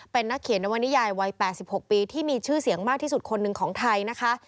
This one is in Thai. เป็นนักเขียนนวนิยายวัย๘๖ปีที่มีชื่อเสียงมากที่สุดคนหนึ่งของไทยนะคะ